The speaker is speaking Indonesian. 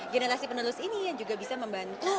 generasi penerus ini yang juga bisa membantu